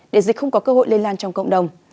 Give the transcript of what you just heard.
để dịch không có cơ hội lây lan trong cộng đồng